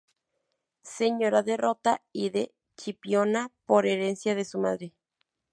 Señora de Rota y de Chipiona por herencia de su madre.